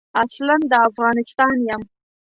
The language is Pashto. اصلاً د افغانستان یم.